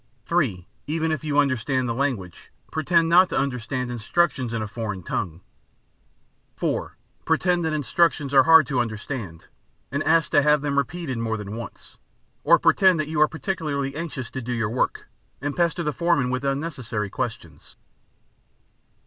(3) Even if you understand the language, pretend not to understand instructions in a foreign tongue. (4) Pretend that instructions are hard to understand, and ask to have them repeated more than once. Or pretend that you are particularly anxious to do your work, and pester the foreman with unnecessary questions.